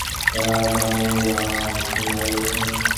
তাঁর ধারণা হল আপনি মারা গেছেন।